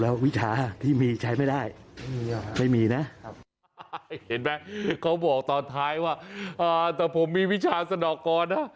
เห็นไหมเขาบอกตอนท้ายว่าอ่าแต่ผมมีวิชาสนอกก่อนนะ